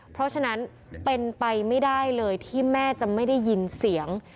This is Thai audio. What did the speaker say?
เพราะฉะนั้นเป็นไปไม่ได้เลยที่แม่จะไม่ได้ยินเสียง